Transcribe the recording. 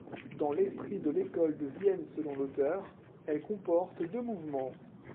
Dans l'esprit de l'École de Vienne selon l'auteur, elle comporte deux mouvements.